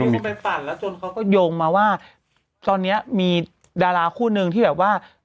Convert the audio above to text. ที่ไปปั่นแล้วจนเขาก็โยงมาว่าตอนนี้มีดาราคู่นึงที่แบบว่า